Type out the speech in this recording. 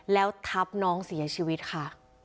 แล้วทับน้องเสียชีวิตค่ะ